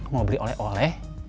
mau beli oleh oleh